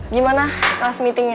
gimana kelas meetingnya